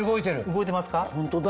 動いてますか？